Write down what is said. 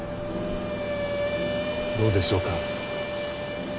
どうでしょうか。